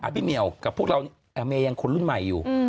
พี่เหมียวกับพวกเราเมย์ยังคนรุ่นใหม่อยู่